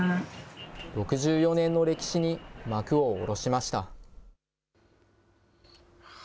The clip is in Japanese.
６４年の歴史に幕を下ろしました。